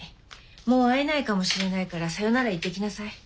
もう会えないかもしれないからさよなら言ってきなさい。